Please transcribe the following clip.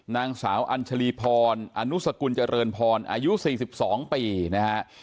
นางสาวอัญชลีพรอนุสกุลเจริญพรอายุ๔๒ปีนะฮะ